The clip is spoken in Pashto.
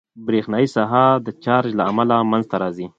برېښنایي ساحه د چارج له امله منځته راځي.